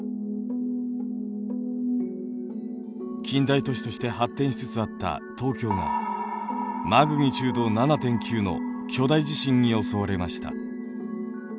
近代都市として発展しつつあった東京がマグニチュード７．９の巨大地震に襲われました。